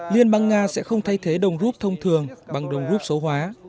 liên bang nga sẽ không thay thế đồng rút thông thường bằng đồng rút số hóa